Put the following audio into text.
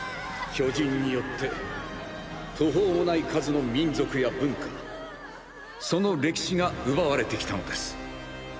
巨人によって途方もない数の民族や文化その歴史が奪われてきたのです。